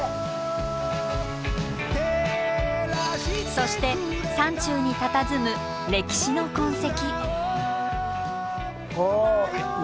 そして山中にたたずむ歴史の痕跡。